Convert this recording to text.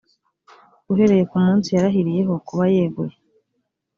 uhereye ku munsi yarahiriyeho kuba yeguye